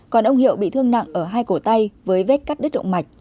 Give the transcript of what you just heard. còn ông hiệu bị thương nặng ở hai cổ tay với vết cắt đứt động mạch